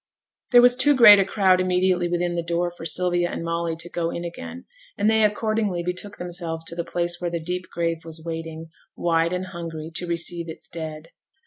There was too great a crowd immediately within the door for Sylvia and Molly to go in again, and they accordingly betook themselves to the place where the deep grave was waiting, wide and hungry, to receive its dead.